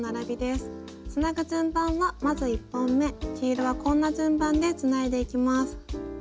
つなぐ順番はまず１本め黄色はこんな順番でつないでいきます。